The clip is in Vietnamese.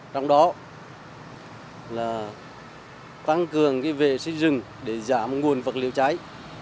trong đó là tăng cường vệ sinh rừng để giảm nguồn vật liệu cháy